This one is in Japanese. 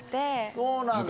そうなんだ？